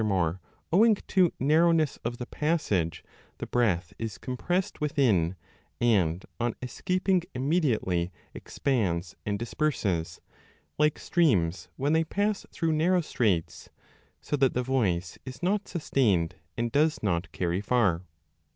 DE AUDIBILIBUS 8oo b more, owing to narrowness of the passage, the breath is compressed within, and on escaping immediately expands and disperses, like streams when they pass through narrow 30 straits ; so that the voice is not sustained and does not carry far.